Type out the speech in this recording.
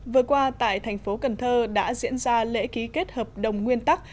vừa qua tại thành phố cần thơ đã diễn ra lễ ký kết hợp đồng nguyên tắc